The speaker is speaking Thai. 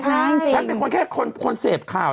ฉันเป็นคนเสพข่าว